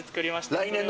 来年の？